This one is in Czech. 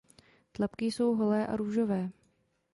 Tlapky jsou holé a růžové.